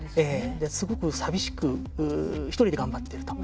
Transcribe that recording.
すごく寂しく１人で頑張っていると。